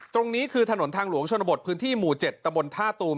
ตรงนี้คือถนนทางหลวงชนบทพื้นที่หมู่๗ตะบนท่าตูม